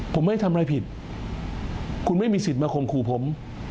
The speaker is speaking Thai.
ผมไม่ได้ทำอะไรผิดคุณไม่มีสิทธิ์มาข่มขู่ผม